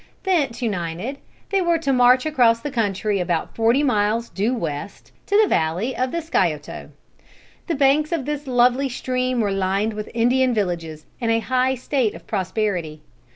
Thence united, they were to march across the country about forty miles due west, to the valley of the Scioto. The banks of this lovely stream were lined with Indian villages, in a high state of prosperity.